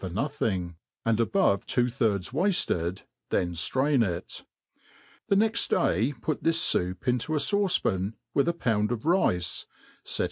for nothing, and ab^e two thirds wafted, then ftrain \it\ the riei^f day put this fovpineo a fauce*pan^ with a poulid of rice, fet.